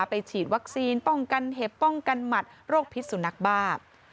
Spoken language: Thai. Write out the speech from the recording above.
ไปฉีดวัคซีนป้องกันเห็บป้องกันหมัดโรคพิษสุนัขบ้า